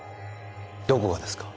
どこがですか？